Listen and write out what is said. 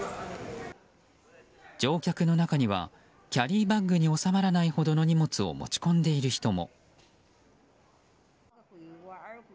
乗客の中にはキャリーバッグに収まらないほどの荷物を持ち込んでいる人も。